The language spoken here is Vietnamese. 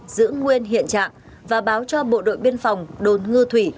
giữ nguyên hiện trạng và báo cho bộ đội biên phòng đồn ngư thủy